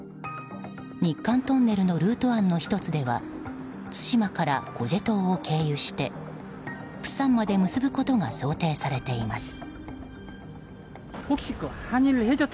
日韓トンネルのルート案の１つでは対馬からコジェ島を経由してプサンまで結ぶことが想定されています。